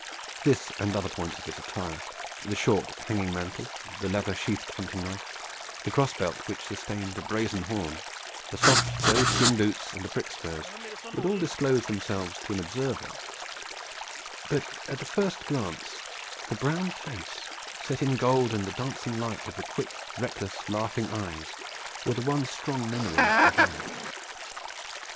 This and other points of his attire, the short hanging mantle, the leather sheathed hunting knife, the cross belt which sustained a brazen horn, the soft doe skin boots and the prick spurs, would all disclose themselves to an observer; but at the first glance the brown face set in gold and the dancing light of the quick, reckless, laughing eyes, were the one strong memory left behind.